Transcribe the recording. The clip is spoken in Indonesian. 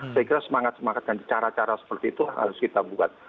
saya kira semangat semangat dan cara cara seperti itu harus kita buat